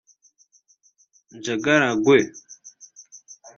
Njagala gwe